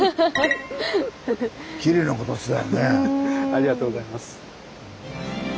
ありがとうございます。